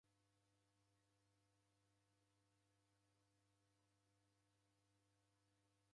Daw'eghenda sokonyi, ela ndediw'uyagha shwaa.